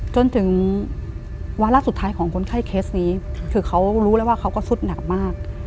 จนถึงวาระสุดท้ายของคนไข้เคสนี้คือเขารู้แล้วว่าเขาก็สุดหนักมาก